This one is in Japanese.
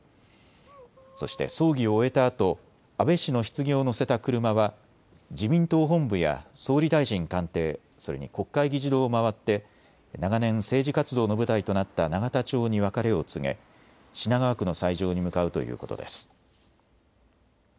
そして葬儀を終えたあと安倍氏のひつぎを乗せた車は自民党本部や総理大臣官邸、それに国会議事堂を回って長年、政治活動の舞台となった永田町に別れを告げ、品川区の斎場に向かうということです。